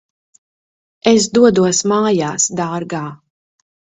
Es dodos mājās, dārgā.